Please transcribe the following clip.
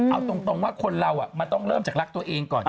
เอาตรงว่าคนเรามันต้องเริ่มจากรักตัวเองก่อน